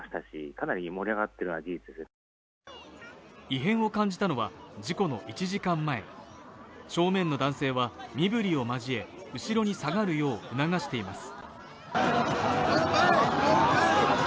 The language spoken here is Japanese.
異変を感じたのは事故の１時間前正面の男性は身振りを交え、後ろに下がるよう促しています。